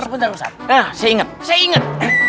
sebentar ustad nah saya inget saya inget